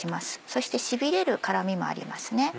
そしてしびれる辛みもありますね。